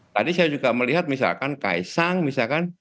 tadi saya juga melihat misalkan kaisang misalkan